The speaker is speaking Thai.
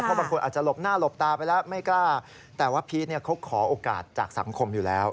เพราะบางคนอาจจะหลบหน้าหลบตาไปแล้วไม่กล้าแต่ว่าพีชเขาขอโอกาสจากสังคมอยู่แล้ว